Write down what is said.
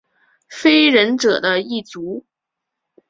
非人者的一族。